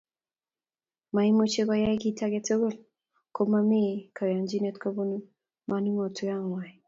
Moimuchi koyai kit age tugul komomi koyonchinet kobun manongotoikwai